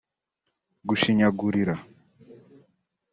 gushinyagurira